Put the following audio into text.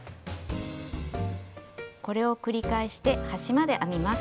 これを繰り返して端まで編みます。